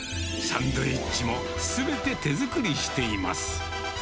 サンドイッチもすべて手作りしています。